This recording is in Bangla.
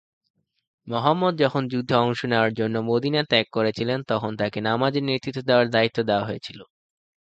মুহাম্মদ যখন যুদ্ধে অংশ নেওয়ার জন্য মদীনা ত্যাগ করেছিলেন, তখন তাকে নামাজের নেতৃত্ব দেওয়ার দায়িত্ব দেওয়া হয়েছিল।